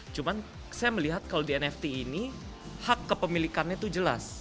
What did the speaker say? cuma saya melihat kalau di nft ini hak kepemilikannya itu jelas